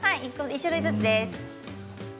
１種類ずつです。